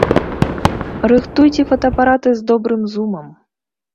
Рыхтуйце фотаапараты з добрым зумам!